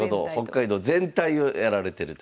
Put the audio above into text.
北海道全体をやられてるということで。